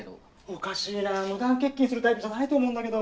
おかしいな無断欠勤するタイプじゃないと思うんだけど。